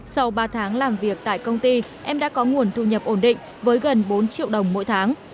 sau ba tháng làm việc tại công ty em đã có nguồn thu nhập ổn định với gần bốn triệu đồng mỗi tháng